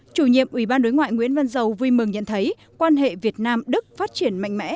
chủ nhiệm ủy ban đối ngoại nguyễn văn giàu vui mừng nhận thấy quan hệ việt nam đức phát triển mạnh mẽ